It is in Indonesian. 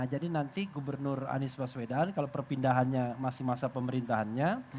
jadi nanti gubernur anies baswedan kalau perpindahannya masih masa pemerintahannya